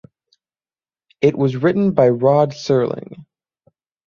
It was written by Rod Serling.